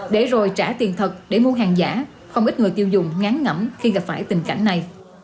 để rồi trả tiền thật để mua hàng giả không ít người tiêu dùng ngán ngẩm khi gặp phải tình cảnh này